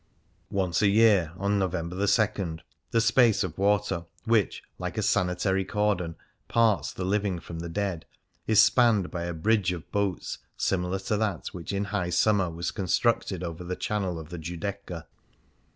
Once a year — on November 2 — the space of water which, like a sanitary cordon, parts the living from the dead, is spanned by a bridge of boats similar to that which in high summer 128 Fasts and Festivals was constructed over the channel of the Giudecca.